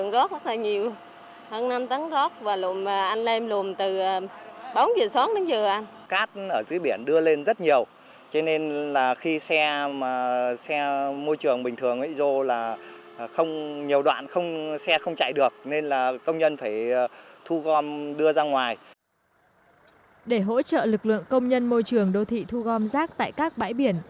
để hỗ trợ lực lượng công nhân môi trường đô thị thu gom rác tại các bãi biển